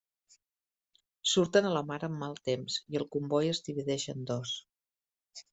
Surten a la mar amb mal temps, i el comboi es divideix en dos.